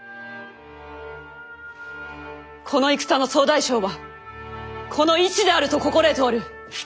この戦の総大将はこの市であると心得ておる！